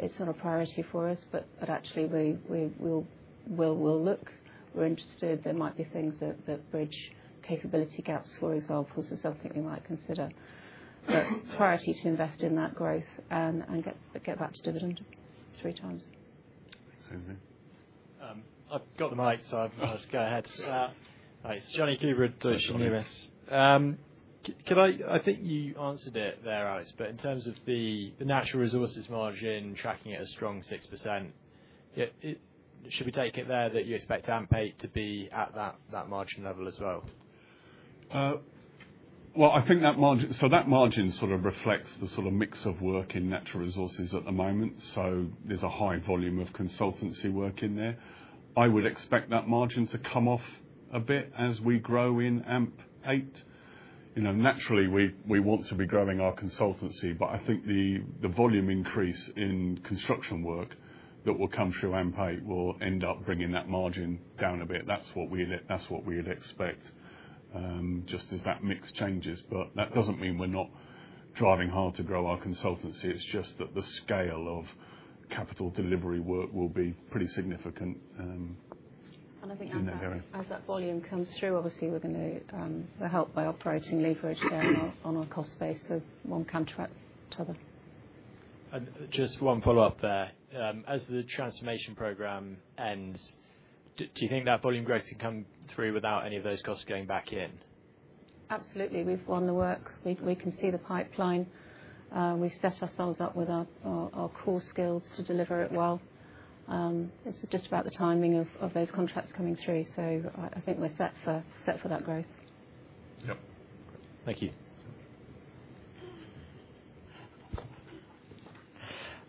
It's not a priority for us, but actually we will look. We're interested. There might be things that bridge capability gaps, for example. Something we might consider. Priority to invest in that growth and get back to dividend three times. Thanks, Ainsley. I've got the mic, so I'll just go ahead. Thanks. Johnny Hubert, Jefferies. Could I, I think you answered it there, Alex, but in terms of the natural resources margin tracking at a strong 6%, should we take it there that you expect AMP8 to be at that margin level as well? I think that margin, so that margin sort of reflects the sort of mix of work in natural resources at the moment. There is a high volume of consultancy work in there. I would expect that margin to come off a bit as we grow in AMP8. You know, naturally, we want to be growing our consultancy, but I think the volume increase in construction work that will come through AMP8 will end up bringing that margin down a bit. That is what we would expect, just as that mix changes. That does not mean we are not driving hard to grow our consultancy. It is just that the scale of capital delivery work will be pretty significant, I think as that volume comes through, obviously, we're gonna, we're helped by operating leverage there on our cost base of one contract to other. Just one follow-up there. As the transformation program ends, do you think that volume growth can come through without any of those costs going back in? Absolutely. We've won the work. We can see the pipeline. We've set ourselves up with our core skills to deliver it well. It's just about the timing of those contracts coming through. I think we're set for that growth. Yep. Thank you.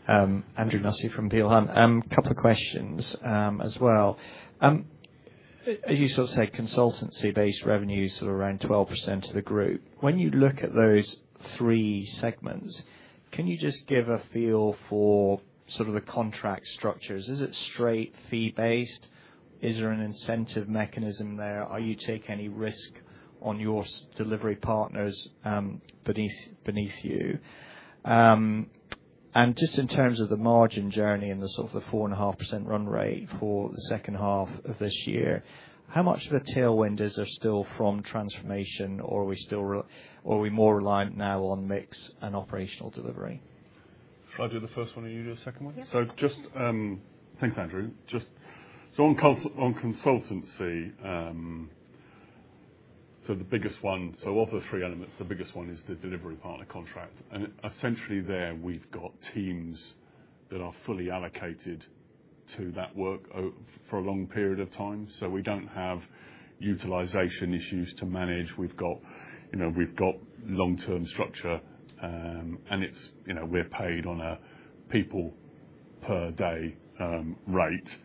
Andrew Nussey from Peel Hunt. Couple of questions, as well. As you sort of said, consultancy-based revenue is sort of around 12% of the group. When you look at those three segments, can you just give a feel for sort of the contract structures? Is it straight fee-based? Is there an incentive mechanism there? Are you taking any risk on your delivery partners, beneath you? And just in terms of the margin journey and the sort of the 4.5% run rate for the second half of this year, how much of the tailwind is there still from transformation, or are we still or are we more reliant now on mix and operational delivery? I'll do the first one. Are you doing the second one? Yeah. Thanks, Andrew. Just on consultancy, the biggest one of the three elements, the biggest one is the delivery partner contract. Essentially there, we've got teams that are fully allocated to that work over a long period of time. We do not have utilization issues to manage. We've got, you know, we've got long-term structure, and it's, you know, we're paid on a people-per-day rate.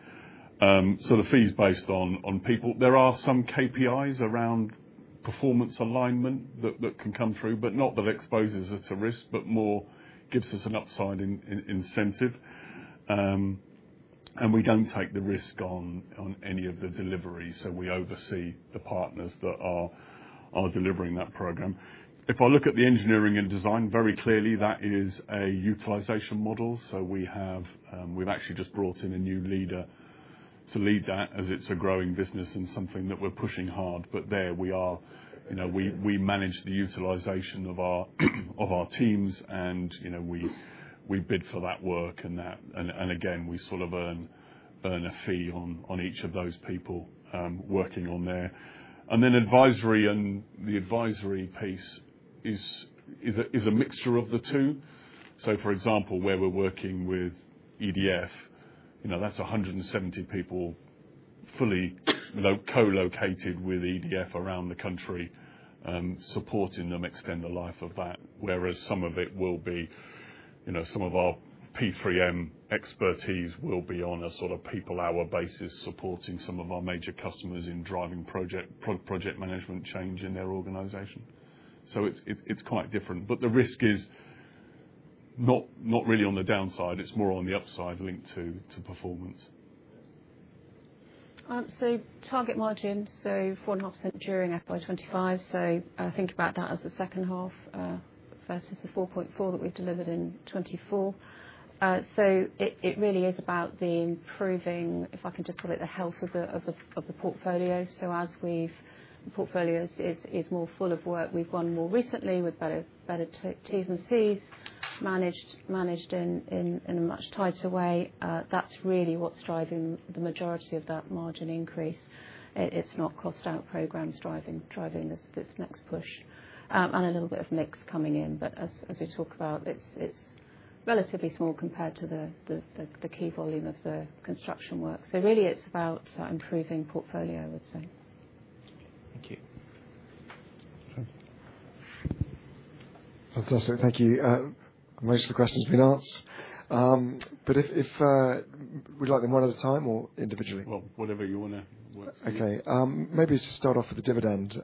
The fee is based on people. There are some KPIs around performance alignment that can come through, but not that exposes us to risk, but more gives us an upside in incentive. We do not take the risk on any of the delivery. We oversee the partners that are delivering that program. If I look at the engineering and design, very clearly, that is a utilization model. We have actually just brought in a new leader to lead that as it is a growing business and something that we are pushing hard. There we are, you know, we manage the utilization of our teams, and, you know, we bid for that work and again, we sort of earn a fee on each of those people working on there. The advisory piece is a mixture of the two. For example, where we are working with EDF, that is 170 people fully co-located with EDF around the country, supporting them extend the life of that, whereas some of it will be, you know, some of our P3M expertise will be on a sort of people-hour basis supporting some of our major customers in driving project management change in their organization. It's quite different. The risk is not really on the downside. It's more on the upside linked to performance. Target margin, 4.5% during FY 2025. Think about that as the second half, versus the 4.4% that we've delivered in 2024. It really is about the improving, if I can just call it, the health of the portfolio. As the portfolio is more full of work we've won more recently with better T&Cs managed in a much tighter way. That's really what's driving the majority of that margin increase. It's not cost out programs driving this next push, and a little bit of mix coming in. As we talk about, it's relatively small compared to the key volume of the construction work. Really, it's about improving portfolio, I would say. Thank you. Fantastic. Thank you. Most of the questions have been answered. If we'd like them one at a time or individually? Whatever you want to work through. Okay. Maybe to start off with the dividend.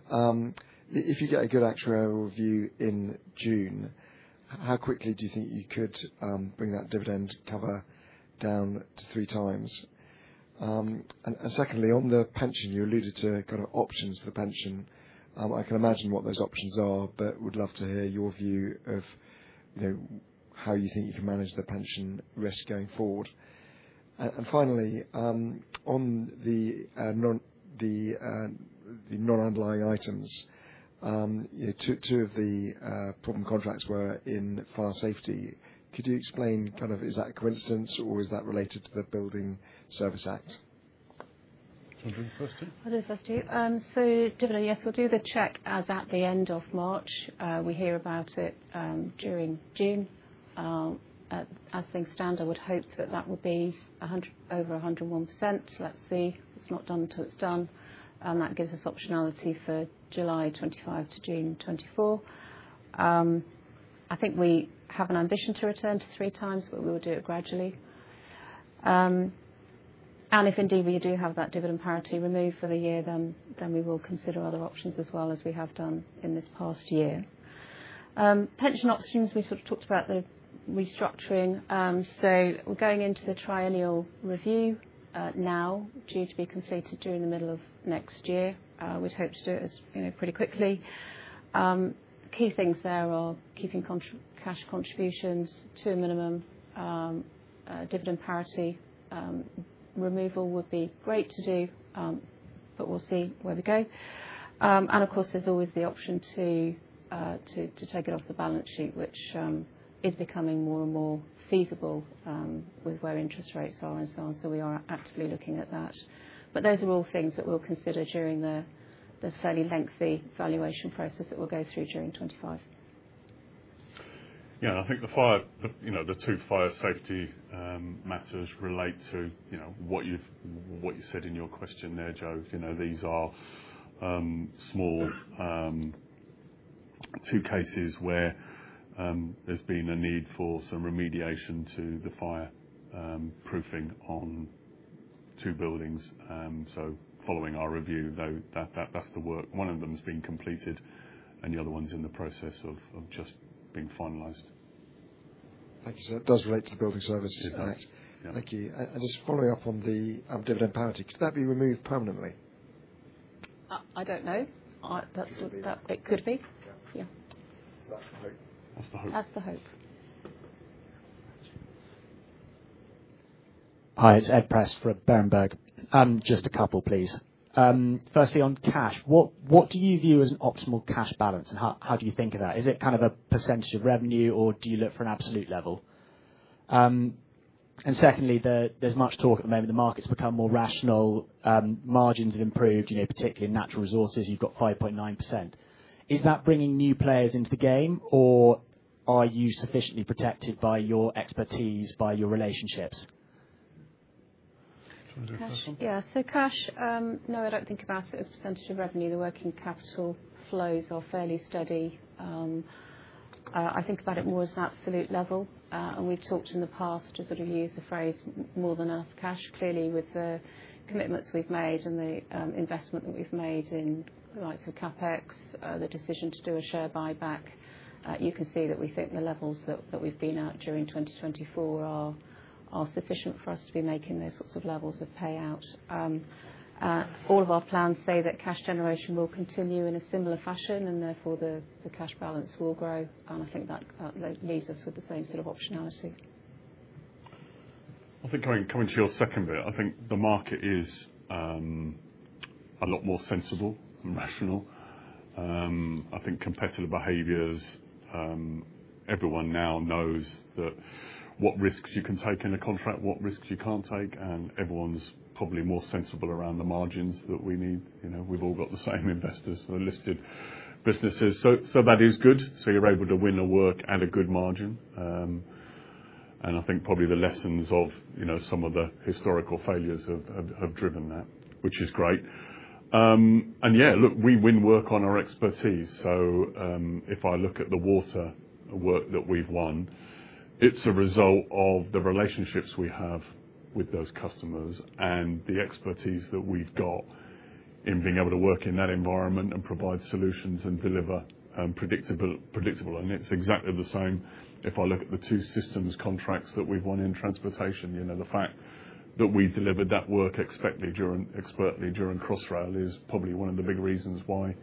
If you get a good actuarial review in June, how quickly do you think you could bring that dividend cover down to three times? Secondly, on the pension, you alluded to kind of options for the pension. I can imagine what those options are, but would love to hear your view of, you know, how you think you can manage the pension risk going forward. Finally, on the non, the non-underlying items, you know, two of the problem contracts were in fire safety. Could you explain kind of is that a coincidence, or is that related to the Building Service Act? I'll do the first two. I'll do the first two. Dividend, yes, we'll do the check as at the end of March. We hear about it during June. As things stand, I would hope that that would be 100-101%. Let's see. It's not done until it's done. That gives us optionality for July 2025 to June 2024. I think we have an ambition to return to three times, but we will do it gradually. If indeed we do have that dividend parity removed for the year, then we will consider other options as well as we have done in this past year. Pension options, we sort of talked about the restructuring. We're going into the triennial review, now due to be completed during the middle of next year. We'd hope to do it as, you know, pretty quickly. Key things there are keeping cont cash contributions to a minimum. Dividend parity, removal would be great to do, but we'll see where we go. Of course, there's always the option to take it off the balance sheet, which is becoming more and more feasible with where interest rates are and so on. We are actively looking at that. Those are all things that we'll consider during the fairly lengthy valuation process that we'll go through during 2025. Yeah. I think the fire, you know, the two fire safety matters relate to, you know, what you said in your question there, Joe. You know, these are small, two cases where there's been a need for some remediation to the fire proofing on two buildings. Following our review, though, that's the work. One of them has been completed, and the other one's in the process of just being finalized. Thank you. That does relate to the building services. Yeah. Correct? Yeah. Thank you. And just following up on the dividend parity, could that be removed permanently? I don't know. That's what that it could be. Yeah. Yeah. That's the hope. That's the hope. That's the hope. Hi, it's Ed Prest from Berenberg. Just a couple, please. Firstly, on cash, what do you view as an optimal cash balance, and how do you think of that? Is it kind of a percentage of revenue, or do you look for an absolute level? And secondly, there's much talk at the moment the market's become more rational. Margins have improved, you know, particularly in natural resources. You've got 5.9%. Is that bringing new players into the game, or are you sufficiently protected by your expertise, by your relationships? Can I do the first one? Yeah. Cash, no, I do not think about it as a percentage of revenue. The working capital flows are fairly steady. I think about it more as an absolute level. We have talked in the past, as I have used the phrase, more than enough cash. Clearly, with the commitments we have made and the investment that we have made in the likes of CapEx, the decision to do a share buyback, you can see that we think the levels that we have been at during 2024 are sufficient for us to be making those sorts of levels of payout. All of our plans say that cash generation will continue in a similar fashion, and therefore the cash balance will grow. I think that leaves us with the same sort of optionality. I think coming to your second bit, I think the market is a lot more sensible and rational. I think competitor behaviors, everyone now knows what risks you can take in a contract, what risks you can't take, and everyone's probably more sensible around the margins that we need. You know, we've all got the same investors that are listed businesses. So that is good. You're able to win work at a good margin. I think probably the lessons of, you know, some of the historical failures have driven that, which is great. Yeah, look, we win work on our expertise. If I look at the water work that we've won, it's a result of the relationships we have with those customers and the expertise that we've got in being able to work in that environment and provide solutions and deliver, predictable, predictable. It's exactly the same if I look at the two systems contracts that we've won in transportation. You know, the fact that we delivered that work expertly during Crossrail is probably one of the big reasons why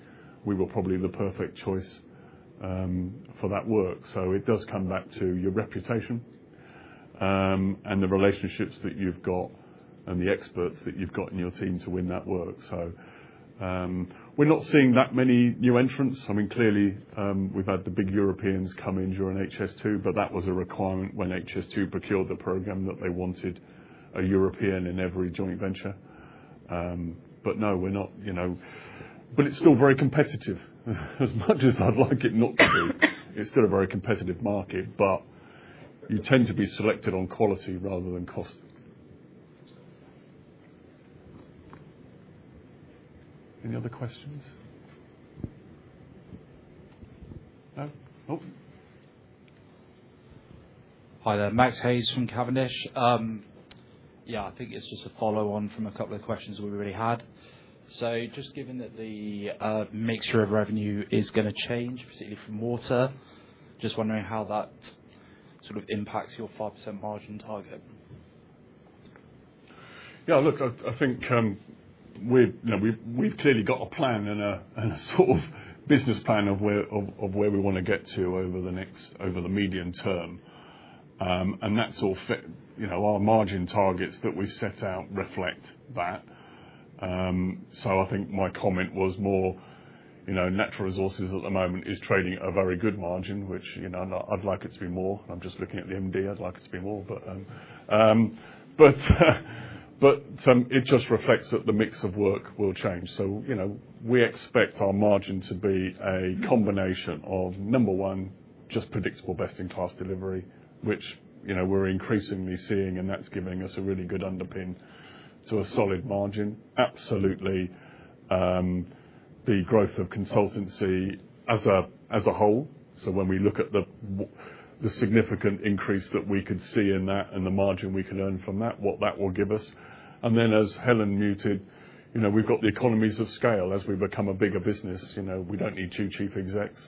we were probably the perfect choice for that work. It does come back to your reputation, and the relationships that you've got and the experts that you've got in your team to win that work. We're not seeing that many new entrants. I mean, clearly, we've had the big Europeans come in during HS2, but that was a requirement when HS2 procured the program that they wanted a European in every joint venture. No, we're not, you know, but it's still very competitive as much as I'd like it not to be. It's still a very competitive market, but you tend to be selected on quality rather than cost. Any other questions? No? Oh. Hi, there. Max Hayes from Cavendish. Yeah, I think it's just a follow-on from a couple of questions that we really had. Just given that the mixture of revenue is going to change, particularly from water, just wondering how that sort of impacts your 5% margin target. Yeah. Look, I think, we've, you know, we've clearly got a plan and a sort of business plan of where we want to get to over the next, over the medium term. And that's all, you know, our margin targets that we've set out reflect that. I think my comment was more, you know, natural resources at the moment is trading a very good margin, which, you know, I'd like it to be more. I'm just looking at the MD. I'd like it to be more, but it just reflects that the mix of work will change. You know, we expect our margin to be a combination of, number one, just predictable best-in-class delivery, which, you know, we're increasingly seeing, and that's giving us a really good underpin to a solid margin. Absolutely, the growth of consultancy as a whole. When we look at the significant increase that we could see in that and the margin we could earn from that, what that will give us. Then, as Helen muted, you know, we've got the economies of scale as we become a bigger business. You know, we don't need two chief execs,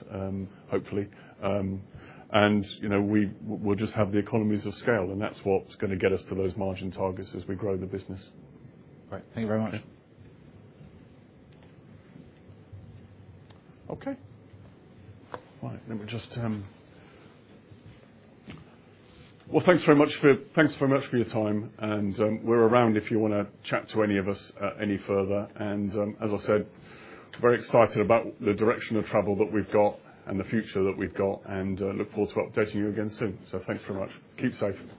hopefully. You know, we'll just have the economies of scale, and that's what's going to get us to those margin targets as we grow the business. Great. Thank you very much. Yeah. Okay. All right. Let me just, thanks very much for your time. We're around if you want to chat to any of us any further. As I said, very excited about the direction of travel that we've got and the future that we've got and look forward to updating you again soon. Thanks very much. Keep safe.